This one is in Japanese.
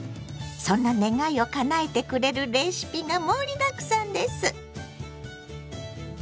そんな願いをかなえてくれるレシピが盛りだくさんです！